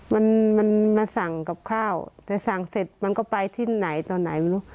มันมันมาสั่งกับข้าวแต่สั่งเสร็จมันก็ไปที่ไหนตอนไหนไม่รู้